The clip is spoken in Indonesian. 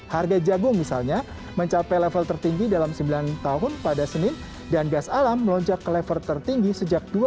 harga jagung misalnya mencapai level tertinggi dalam sembilan tahun pada senin dan gas alam melonjak ke level tertinggi sejak dua ribu dua puluh